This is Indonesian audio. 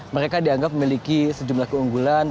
mereka dianggap memiliki sejumlah keunggulan